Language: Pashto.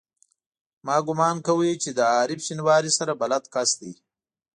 ما ګومان کاوه چې له عارف شینواري سره بلد کس دی.